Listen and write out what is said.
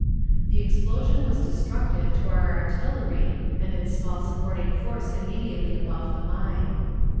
The explosion was destructive to our artillery and its small supporting force immediately above the mine.